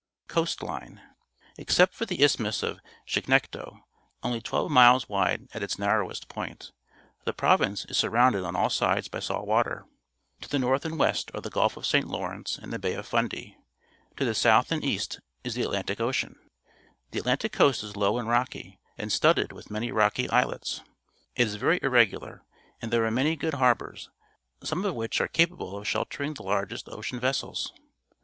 Coast line. — Except for the Isthmus of Cjiignecto, only twelve miles wide at its narrowest point, the province is surrounded on all sides by salt water. To the north and west are the Gulf of St. Lawrence and the Bay of Fundy; to the south and east is the Atlantic Ocean. The Atlantic coast is low and rocky, and studded with many rocky islets. It is very irregular, and there are many good harbours, some of which are capable of sheltering the largest ocean vessels.